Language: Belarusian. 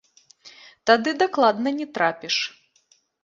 Тады дакладна не трапіш.